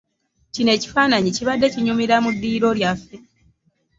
Kino ekifaananyi kibade kinyumira mu ddiiro lyaffe.